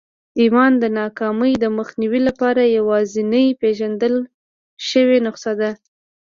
ايمان د ناکامۍ د مخنيوي لپاره يوازېنۍ پېژندل شوې نسخه ده.